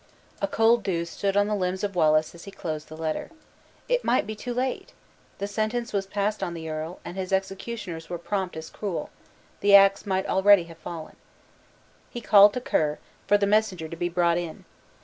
A cold dew stood on the limbs of Wallace as he closed the letter. It might be too late! The sentence was passed on the earl, and his executioners were prompt as cruel: the ax might already have fallen. He called to Ker, for the messenger to be brought in.